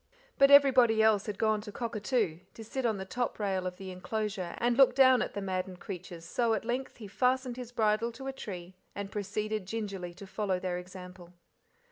But everybody else had gone to "cockatoo" to sit on the top rail of the enclosure and look down at the maddened creatures, so at length he fastened his bridle to a tree and proceeded gingerly to follow their example.